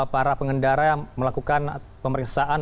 para pengendara yang melakukan pemeriksaan